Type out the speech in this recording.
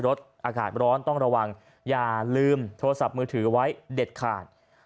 อากาศร้อนต้องระวังอย่าลืมโทรศัพท์มือถือไว้เด็ดขาด